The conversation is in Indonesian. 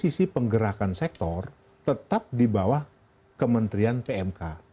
sisi penggerakan sektor tetap di bawah kementerian pmk